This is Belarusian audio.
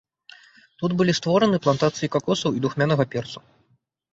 Тут былі створаны плантацыі какосаў і духмянага перцу.